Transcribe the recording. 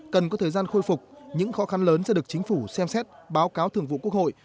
cần có thời gian khôi phục những khó khăn lớn sẽ được chính phủ xem xét báo cáo thường vụ quốc hội